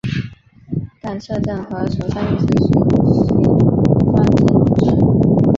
但摄政和首相一直施行专制统治。